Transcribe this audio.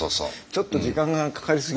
ちょっと時間がかかりすぎ。